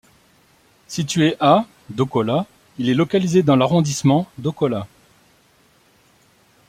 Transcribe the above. Situé à d'Okola, il est localisé dans l'arrondissement d'Okola.